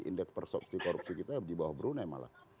indeks persepsi korupsi kita di bawah brunei malah